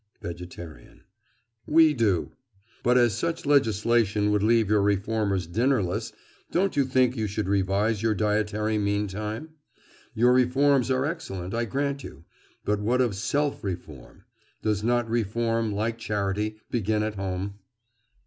VEGETARIAN: We do. But as such legislation would leave your reformers dinnerless, don't you think you should revise your dietary meantime? Your reforms are excellent, I grant you; but what of self reform? Does not reform, like charity, begin at home?